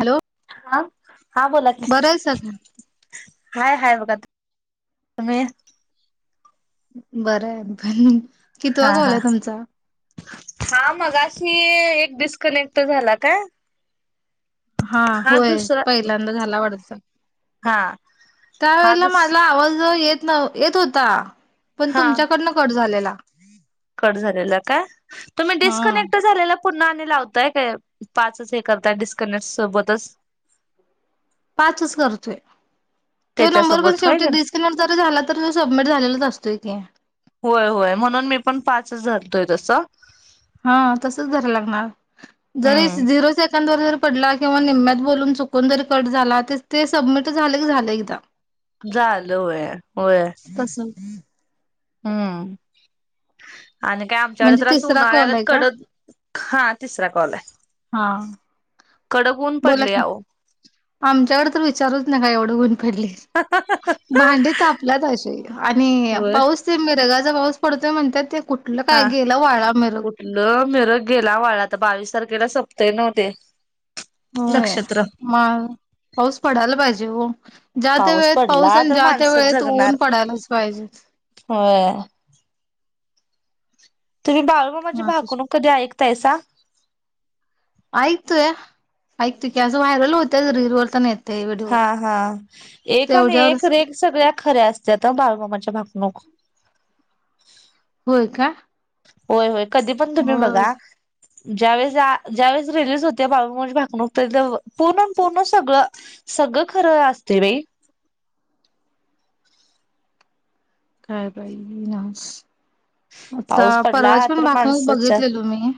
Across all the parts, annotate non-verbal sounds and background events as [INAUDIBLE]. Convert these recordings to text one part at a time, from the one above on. Hello हा. हा बोला की बरं आहेसा काय. हाय, हाय, बघा तूम्ही. बरं आहे पण. कितवा हा कॉल हा आहे तुमचा? शी एक डिस्कनेक्ट झाला का? हा, होय, पहिल्यांदा झाला वाढत, हा हा त्यावेेळेला दुस माझा आवाज येत येत होता, पण हा तुमच्याकडनं कट झालेल. [UNINTELLIGIBLE] कट झालेला काय? तुम्ही हा डिस्कनेक्ट झालेला. पुन्हा नाय लावताय काय, पाचच हे करताय डिस्कनेक्ट सोबतच. पाचच करतोय. तो नंबर पण त्याच्यासोबत होय शेवटी का डिस्कनेट जरी झाला तर. तो सबमिट झालेलाच असतोय की. तोय तसा. हा तसच भरायला लागणार. जरी हम्म झिरो सेकंद-वर. पडला किंवा निम्यात बोलून चुकून जरी कट झाला. ते सबमिट झालं की झाले एकदा. झालं होय होय. तस हम्म. आणि काय म्हणजे आमच्याकडे असं तिसरा कॉल उन्हाळ्यात आहे का कडक. हा तिसरा कॉल आहे. हा कडक ऊन बोला पडले की, अहो आमच्याकडे तर विचारूच नका एवढ. एवढ ऊन. पडले. भांडे तापल्यात अशी आणि होय पाऊस ते मिरगा पाऊस पडतोय म्हणत्यात ते. कुठलं हा काय गेला वाळा मिरग. कुठलं मिरग गेला वाळा आता बावीस तारखे खेला सोपतय नव्ह ते. होय.. नक्षत्र म पाऊस पडायला पाहिजे हो. ज्या त्या वेळेत पाऊस पडला आणि तर ज्या त्या माणसं वेळेत ऊन जगणार पडायलाच पाहिजेत. होय तुम्ही बाळूमामाची तुझ भाकणूक कधी आईकला [INAUDIBLE] ऐकतोया. ऐकतू की असं व्हायरल होत होत्या रिलीज वर. तेन येतय व्हिडिओ हा.. हा. एक आणि एक तेवढ्यावरच रेख सगळ्या खऱ्या असत्यात हो बाळूमामाच्या भा णूक. होय का? होय. होय. कधी पण तुम्ही होय बघा? ज्यावेेळेस-ज्यावेेळेस रिलीज होते. बाळूमामाची भाकणूक ते पूर्ण-पूर्णन सगळं-सगळं खरं असतय बाई. काय बाई ना आता पाऊस पडला परवाची पण तर भाकनुक माणसं चार बघितली मी.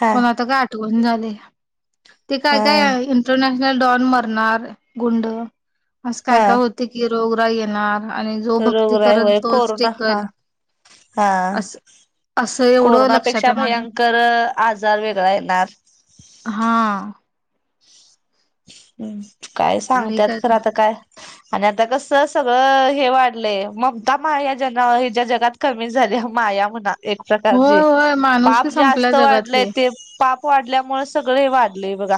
हा पण आता काय आठवना झालंया. ते काय हा काय इंटरनॅश डॉन मरणार. गुंड अस काय हा काय होतय की रोगराई येणार, आणि जो भक्ती रोगराई करल होय तोच कोरोना हा टिकल. हा असं असं [INAUDIBLE] एवढं लक्षात कोरोनापेक्षा आहे माझ्या भयंकर आजार वेगळा येणार, हा [UNINTELLIGIBLE] काय लई सांगत्यात काय खरं आता काय आणि आता कस सगळं हे वाढलंय. ममता माया जन हिच्या जगात कमी झाली माया म्हणा एक होय प्रकारचे होय [INAUDIBLE] माणुसकी पाप संपल्या जास्त वाढलंय जगातली ते पाप वाढल्यामुळ सगळ वाढलंय बघा,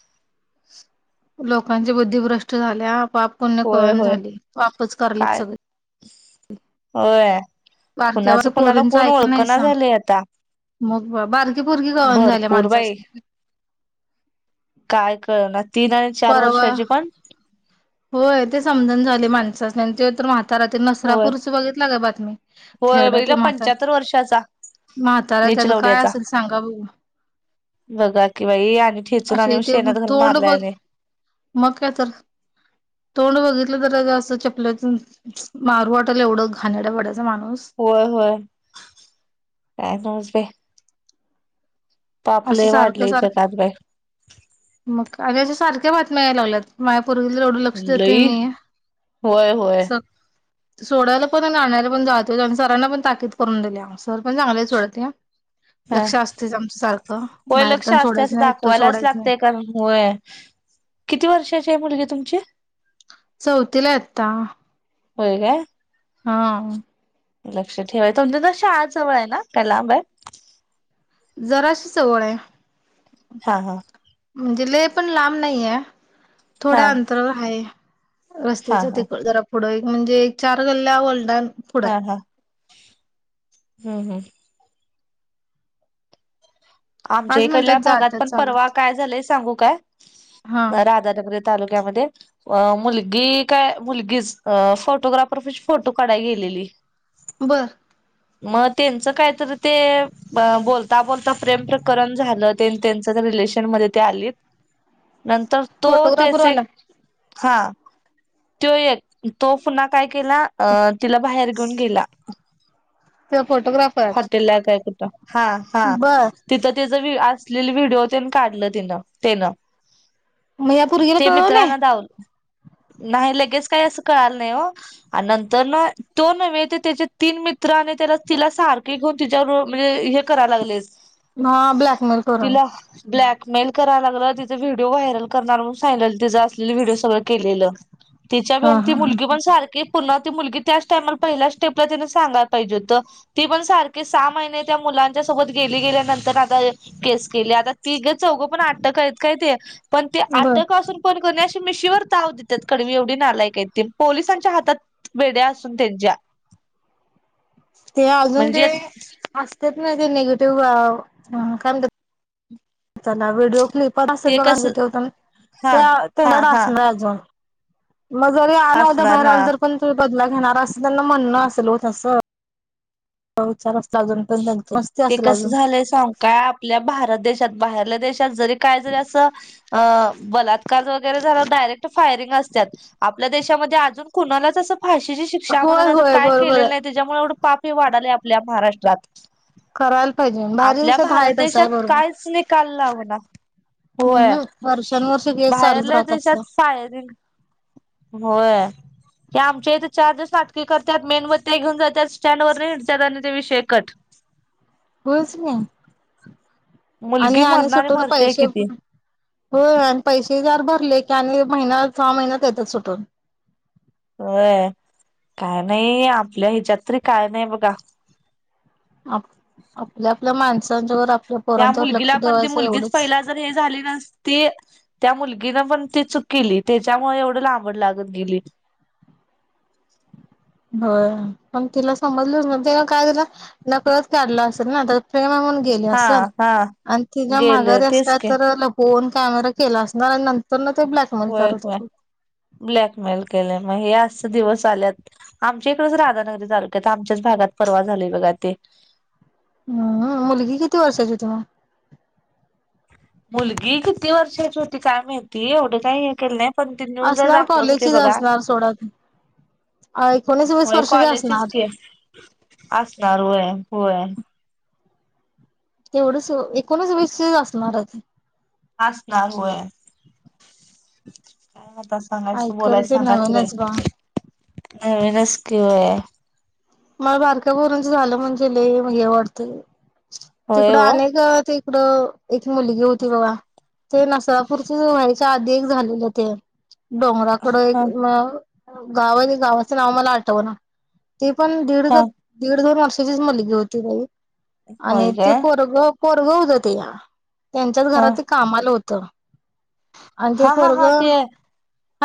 [INAUDIBLE] [INAUDIBLE] लोकांची बुद्धिभ्रष्ट झाल्या बाप पुण्य होय कळण होय झालंय पापच करलेत काय सगळे. [INAUDIBLE] होय, [INAUDIBLE] बारक्या कुणाच बारक्या कुणाला पोरींच कोण ऐका ओळखना नाहीसा झालंय आता मग बारकी पोरगी [INAUDIBLE] कळना झाल्या भरपूर बाई माणसासनी [INAUDIBLE] काय कळणार, तीन आणि चार परवा वर्षांची पण, [INAUDIBLE] होय ते समजून झाले माणसांसनी ते तर म्हा- तारा ते होय नसरापूरच बघितला काय? बातमी [INAUDIBLE] होय थेरडा बघितला तो म्हाता [INAUDIBLE] पंच्याहत्तर वर्षाचा म्हाताारा त्याच काय नीचलवड्याचा. असेल, सांगा बघू [INAUDIBLE] बघा की बाई आणि ठेचून असे आणि ते शेणात घालून तोंड मारलाय बघ आणि [INAUDIBLE] मग काय तर, [INAUDIBLE] तोंड बघितलं तरं अग अस चेपल्या, [UNINTELLIGIBLE] मारू वाटालय एवढं घाणेरड् होय होय [INAUDIBLE] काय समजते, असं सारखं वाढलय सारखं जगात बाई [INAUDIBLE] मग का रेंज सारखी त्या बातम्या यायला लागल्यात, [UNINTELLIGIBLE] पोरगीवर एवढं लक्ष देतेय लई मी होय [INAUDIBLE] होय स- [INAUDIBLE] [INAUDIBLE] सोडायला पण आणि आणायला पण जाते आणि सरांना पण ताकीद करून दिलीया, सर पण चांगले सोडत नाही हां [INAUDIBLE] हा लक्ष असतेच आमचं सारखं, [INAUDIBLE] होय बाहेर लक्ष तेन असते सोडायचं असं नाही एकटं दाखवायलाच सोडायचं नाही. लागतय कारण, होय [INAUDIBLE] किती वर्षाची मुलगी आहे तु तुमचे, [INAUDIBLE] [INAUDIBLE] चवथीला आहे आत्ता, [INAUDIBLE] होय काय, [INAUDIBLE] हा, [INAUDIBLE] लक्ष ठेवाय तुमची त शाळाच जवळ आहे ना काय लांब आय- [INAUDIBLE] जराशी जवळ आहे. [INAUDIBLE] [INAUDIBLE] हा -हा म्हणजे लेय पण लांब नाहीये, [INAUDIBLE] हा थोड्या अंतरावर हाये, हा रस्त्याच्या हा तिकड जरा पुढं एक म्हणजे. एक चार गल्ल्या मलढून हा. हा. हम्म हम्म. आमच्या पाच इकडल्या मिनिटात भागात जातात पण, परवा चालत काय झालाय सांगू काय हा राधानगरीत. तालुक्यामध्ये. अ मुलगी काय मुलगीच, फोटोग्राफर पाशी फोटो काढायला गेलेली. बर. मग त्यांच काहीतरी ते बोलता-बोलता प्रेम प्रकरण झालं. त्यान त्यांचं रिलेशनमध्ये ते आलीत. नंतर तो फोटोग्राफर वाला [UNINTELLIGIBLE] हा तो एक तो पुन्हा काय केला अ तिला बाहेर घेऊन गेला. तो फोटोग्राफर हॉटेल ला काय कुठं. हा हा. बर तिथं त्याच व्हि आपलेल व्हिडिओ तेन काढलं तिनं त्यांनं मग या पोरगीला ते कळवलं नाही मित्रांना दावल नाही लगेच काही असं कळाल नाही हो. आणि नंतर ना तो नव्हे ते त्याचे तीन मित्र आणि त्याला ती तिला सारखे घेऊन तिच्यावर म्हणजे हे कराय लागले. ना ब्लॅकमेल करून. कराया लागला. तिचे व्हिडीओ व्हायरल करणार. म्हणून सांगायला तिचे असलेले व्हिडिओ सगळे. केलेल. त्याच्या हा भ्यान ती हा हा मुलगी पण सारखी पुन्हा ती मुलगी त्याच टाइमला पहिल्या स्टेपला तीन सांगाया पाहिजे होत. [INAUDIBLE] ती पण सारखी सहा महिने त्या मुलांच्या सोबत गेली गेल्यानंतर आता केस केलीआता तीगच चौघ पण अटक आहेत काय ते पण ते बर अटक असून पण काय कणी मि शीवर चाव देतात, कडवी एवढी नालायक हाय ती पोलिसांच्या हातात [INAUDIBLE] बेड्या असून त्यांच्या, [INAUDIBLE] [INAUDIBLE] ते अजून ते म्हणजे [INAUDIBLE] अस तेच नाही ते निगेटिव्ह [INAUDIBLE] काय म्हणत्यात, [INAUDIBLE] व्हिडिओ क्लिप, ते कसं हा हा हा [UNINTELLIGIBLE] मग घरी आला होता. असणार बाहेर हा आलो तर पण ते बदला घेणार असल, त्यांना म्हणन असेल हो तस, हो-चार वास [INAUDIBLE] ते कस झालंय सांगू काय आपल्या भारत देश- त्यात बाहेरल देश, त्यात जरी काही जरी अस [INAUDIBLE] अ बलात्कार वैगेरे झाला. तर डायरेक्ट फायरिंग असत्यात. आपल्या देशामध्ये ते अजून कुणालाच अस फाशीची शिक्षा होय म्हणाल्या जर होय काय बरोबर केलेलं आहे. नाही. त्याच्यामुळे एवढं पापी वाढाले आपल्या महाराष्ट्रात, करायला पाहिजे [INAUDIBLE] बाहेर आपल्या देशात भारत आहे तसं देशात आहे बरोबर कायच निकाल लावना [INAUDIBLE] हम् होय हम वर्षानुवर्ष [INAUDIBLE] केस चालूच बाहेरल्या राहत असत देशात फायरिंग, [INAUDIBLE] होय.. आमच्या इथे चार दिवस नाटके करतात. मेणबत्त्या घेऊन जातात स्टँड वर. झाल त्या नंतर विषय कट. होयच ना. आणि मुलगी आणि मरणारी सुटून मरतेय पैसे. किती हो आणि पैसे फार भरलेत. आणि महिना सहा-महिन्यात येत्यात सुटून. व्हय काय नाही. आपल्या हेच्यात तरी काय नाही बघा. आपल्या-आपल्या माणसांन च्यावर आप त्या मुलगीला पण, ती मुलगीच पहिला जर हे झाली नस नसती.. त्या मुलगीनं पण ती चुक केली. त्याच्यामुळे एवढं लांबड लागत गेली. होय. पण तिला समजल न ते काय झालं नकळच काढलं असेल ना? त्यात प्रेम हाय म्हणून. गेली हा असल. हा आणि तिच्या गेलं माघारी अस तेच की कायतरी फोन कॅमेरा केला असणार आणि नंतरन. होय. होय ब्लॅकमेल केलय म हे अस. दिवस आल्यात. आमच्या इकडच राधानगरी तालुक्यात आमच्याच भागात परवा झालेय बघा ते. हम्म.. मुलगी किती वर्षाची होती मग? मुलगी किती वर्षाची होती. काय माहिती? एवढं काय हे केलं नाही. पण ते न्यूजला असणार दाखवत होते कॉलेजचीच बघा. असणार सोडा ती एकोणीस वीस होय वर्षाची कॉलेजचेच असणार ते असणार होय-होय. तेवढच एकोणच-वीसचेच असणार आहे ती. असणार आ हा ऐकल ते नवनच बा. नवीनच की होय. मला बारक्या पुरिंच झालं म्हणजे लई म हे वाटते. होय तिकडं ओ अनेकदा ते. ड. एक मुलगी होती बघा. ती नसापूरचे चार दिन झालेलं ते. डोंगराकड एक हा गाव गावाच-गावाचं नाव मला आठवना. ते पण हा दीड-दो दीड-दोन वर्ष वर्षाचीच मुलगी होती बाई. आणि होय ते काय पोरगं. पोरगं [UNINTELLIGIBLE] त्यांच्याच हा घरात ते कामाला होत. त. हा. हा. हा ते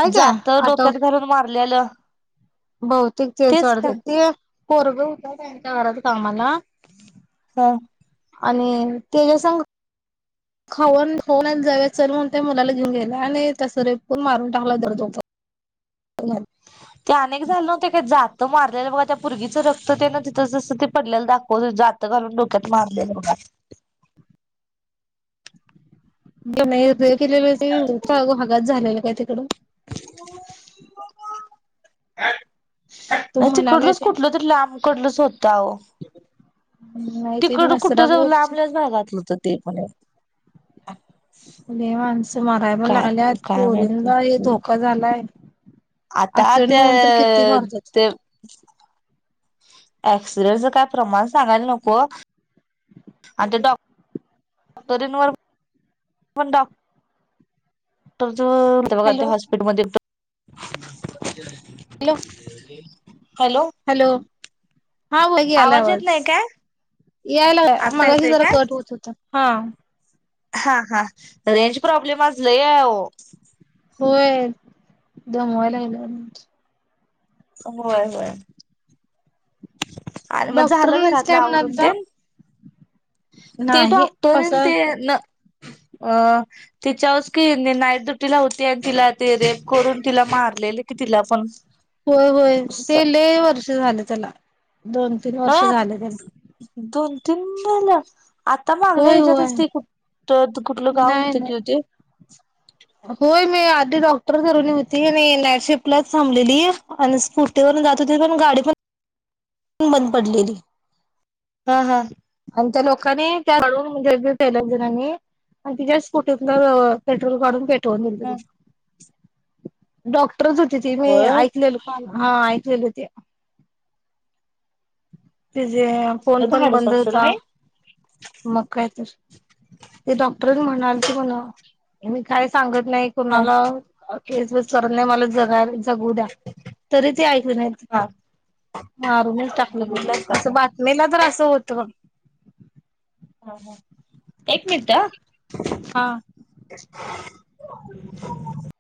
काय जात आठव डोक्यात घालून मारल्यालं. [INAUDIBLE] बहुतेक तेच वाढत ते. पोरगं होत त्यांच्या घरात कामाला. हं आणि तेच्या संग. खाऊ खाऊ आणायला जाऊया चल म्हणून त्या मुलाला घेऊन गेलाय. आणि तस रेप करून मारून टाकला भर दो ते अनेक जण नव्हत का जात? जात मारलेलं बघा त्या पोरगीच रक्त ते ना तिथं जसं ते पडलेला दाखवल जात घालून डोक्यात मारलेलं बघा. [UNINTELLIGIBLE] काय तिकडून? [INAUDIBLE] काय? तो म्हणालाय तिकडलच ते कुठलं तरी लांब कडलच होतं आहो. नाही ते तिकड कुठं जाऊ नसरापूरची लांबल्याच भागातलं होत ते पण लई माणसं. माराय पण काय लागल्यात काय माहिती पोरींनाही धोका झालाय. आता ऍक्सिडेंट त्या होऊन तर किती मारतात ते एक्सीडेंटच काय प्रमाण सांगायला नको. आणि त्या डॉक्टरीनवर. कोण डॉ. तो, जो, तो, बघा त्या हॅलो हॉस्पिटल मध्ये तो. Hello hello. हॅलो. हा बघ याय लागलाय येत आवाज. नाही काय यायलागलाय आता मगाशी येतोय जरा काय कट होत, होता. हा. हा हा रेंज प्रॉब्लेम आज लई हाय आओ. होय दमवायलालागय. होय-होय. डॉक्टर म्हणायच घरातलं काय आवरून म्हण्याचा तेन ते डॉक्टर न ते न अ तिच्यावरच कि नाईट ड्युटी ला होती आणि तिला ते रेप करून तिला मारलेले कि तिला पण. होय होय ते ले वर्ष झाले त्याला दोन. तीन वर्ष नाही झाले त्याला. दोन तीन झालं आता मागण्या होय होय ह्याच्यातच त ते खू तर तू कुठलं गाव नाही होतं कि हो नाही ते? होय मी आधी डॉक्टर ठरवली होती आणि नाईटशिफ्ट ला चा थांबलेली आणि स्कूटीवरून जात होते पण गाडी पण बंद पडली. हा हां कीनाय त्या [UNINTELLIGIBLE] जणांनी त्यांच्या मग तिच्याच स्कुटी तल पेट्रोल काढून घेतला. दोन मिनिट दिले. डॉक्ट ट्र होती ती मी होय ऐकलेल. हा ऐकेल होते. ते जे फोन कसलं पण धाडस बंद असेल होता नाही मग कायतर ते डॉक्टर म्हणाल ते मला मी काय सांगत नाही हा कोणाला केस स नाही मला जगायला जगू द्या तरी ते ऐकले नाही हा मारूनच टाकल. बघितलास का असं काय? बातमी ला त्रास अस होतो म हां हां एक मिनिटं हा हां. [UNINTELLIGIBLE]